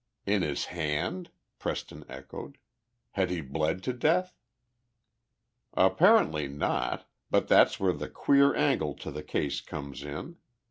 "In his hand?" Preston echoed. "Had he bled to death?" "Apparently not but that's where the queer angle to the case comes in.